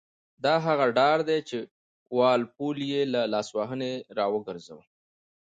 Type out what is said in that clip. دا هغه ډار دی چې وال پول یې له لاسوهنې را وګرځاوه.